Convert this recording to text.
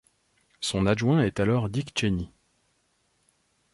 Son adjoint est alors Dick Cheney.